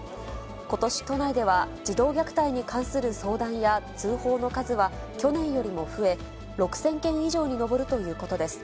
ことし都内では、児童虐待に関する相談や通報の数は去年よりも増え、６０００件以上に上るということです。